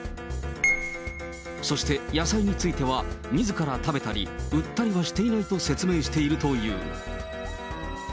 そして野菜については、みずから食べたり売ったりはしていないと説明しているという。